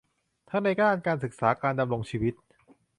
ทั้งในด้านการศึกษา การดำรงชีวิต